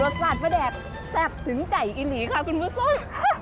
อุ๊ยรสสาธิ์มาแดกแซ่บถึงไก่อิหลีค่ะคุณผู้ซ่อม